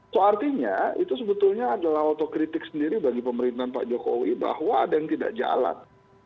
so artinya itu sebetulnya adalah otokritik sendiri bagi pemerintahan pak jokowi bahwa ada yang tidak jalan